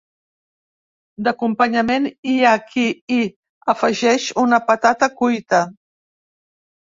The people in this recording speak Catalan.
D'acompanyament hi ha qui hi afegeix una patata cuita.